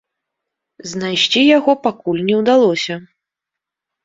Знайсці яго пакуль не ўдалося.